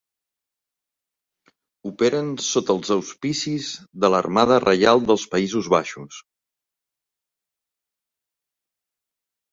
Operen sota els auspicis de l'Armada Reial dels Països Baixos.